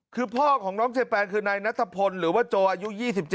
คือพ่อของน้องเจแปนคือนายนัทพลหรือว่าโจอายุ๒๗